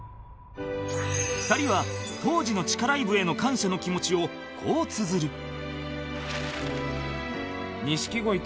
２人は当時の地下ライブへの感謝の気持ちをこう綴る